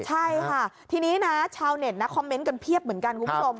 ใช่ค่ะทีนี้นะชาวเน็ตนะคอมเมนต์กันเพียบเหมือนกันคุณผู้ชม